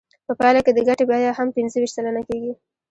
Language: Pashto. په پایله کې د ګټې بیه هم پنځه ویشت سلنه کېږي